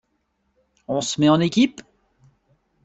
On se met en équipe?